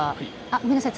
ごめんなさい。